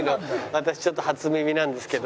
私ちょっと初耳なんですけど。